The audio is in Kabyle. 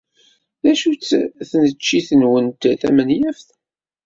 D acu-tt tneččit-nwent tamenyaft?